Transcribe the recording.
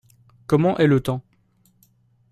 Comment est le temps ?